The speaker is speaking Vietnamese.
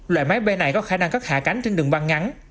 loại máy bay này có khả năng cất hạ cánh trên đường băng ngắn